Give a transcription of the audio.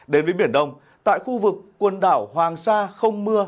đến với biển đông tại khu vực quần đảo hoàng sa không mưa